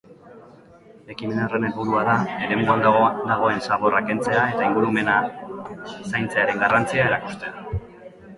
Ekimen horren helburua da eremuan dagoen zaborra kentzea eta ingurumena zaintzearen garrantzia erakustea.